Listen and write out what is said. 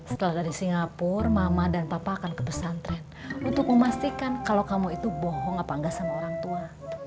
setelah dari singapura mama dan papa akan ke pesantren untuk memastikan kalau kamu itu bohong apa enggak sama orang tua